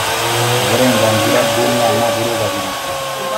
Uburenganzira bw’umwana burubahirizwa